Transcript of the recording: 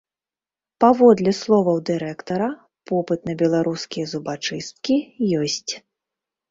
Паводле словаў дырэктара, попыт на беларускія зубачысткі ёсць.